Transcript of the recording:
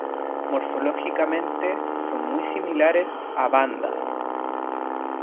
Morfológicamente son muy similares a "Vanda.